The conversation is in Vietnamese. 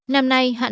năm nay hạn mặn